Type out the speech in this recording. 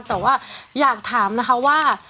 แต่ว่าอยากถามนะคะว่า